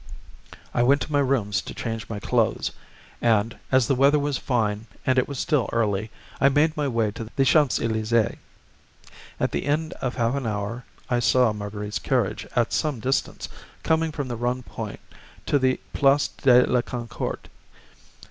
I went to my rooms to change my clothes, and, as the weather was fine and it was still early, I made my way to the Champs Elysées. At the end of half an hour I saw Marguerite's carriage, at some distance, coming from the Rond Point to the Place de la Concorde.